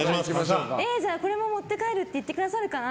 これも持って帰るって言ってくださるかな。